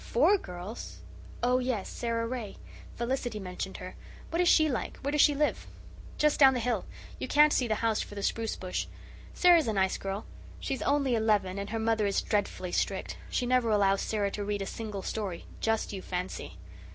"FOUR girls? Oh, yes, Sara Ray. Felicity mentioned her. What is she like? Where does she live?" "Just down the hill. You can't see the house for the spruce bush. Sara is a nice girl. She's only eleven, and her mother is dreadfully strict. She never allows Sara to read a single story. JUST you fancy!